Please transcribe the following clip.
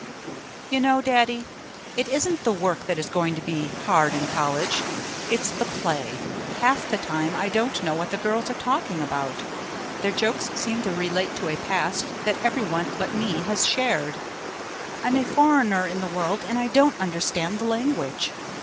You know, Daddy, it isn't the work that is going to be hard in college. It's the play. Half the time I don't know what the girls are talking about; their jokes seem to relate to a past that every one but me has shared. I'm a foreigner in the world and I don't understand the language.